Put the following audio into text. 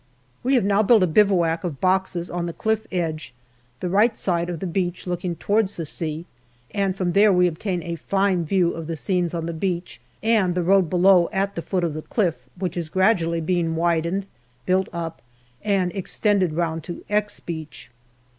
We have now built a bivouac of boxes on the cliff edge, the right side of the beach looking towards the sea, and from there we obtain a fine view of the scenes on the beach and the road below at the foot of the cliff, which is gradually being widened, built up, and extended round to " X " Beach.